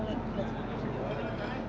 tujuan di dalam musim migrasi